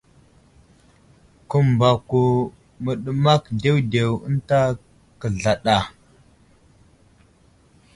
Kəmbako məɗəmak ɗewɗew ənta kəzlaɗ a.